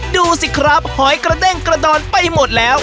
ดูสิครับหอยกระเด้งกระดอนไปหมดแล้ว